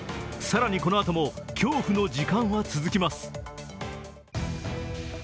更に、このあとも恐怖の時間は続きます。